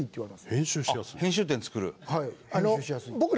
あっ編集点作る。